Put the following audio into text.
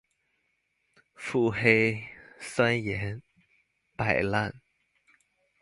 腹黑、酸言、擺爛